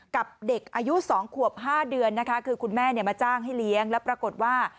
กับเด็กอายุ๒ขวบ๕เดือนนะคะคือคุณแม่มาจ้างให้เลี้ยงแล้วปรากฏว่า